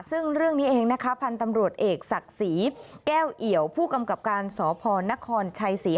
ซึ่งเรื่องนี้เองนะคะพันธุ์ตำรวจเอกศักดิ์ศรีแก้วเอี่ยวผู้กำกับการสพนครชัยศรี